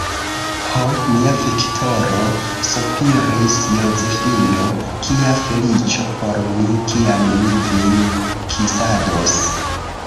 Ho, mia Viktoro, sopiris Josefino, kia feliĉo por mi, kiam mi vin kisados.